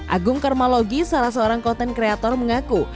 agung karmalogi salah seorang konten kreator mengaku